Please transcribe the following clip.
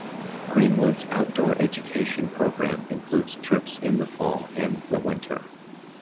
Greenwood's outdoor education program includes trips in the fall and the winter.